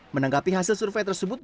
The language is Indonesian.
menanggapi hasil survei tersebut